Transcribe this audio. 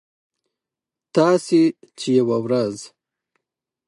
تاسې چې یوه ورځ